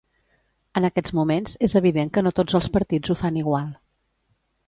En aquests moments és evident que no tots els partits ho fan igual.